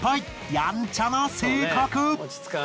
やんちゃな性格。